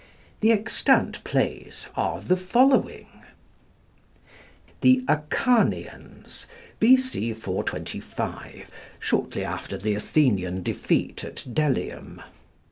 The extant plays are the following: 'The Acharnians,' B.C. 425, shortly after the Athenian defeat at Delium.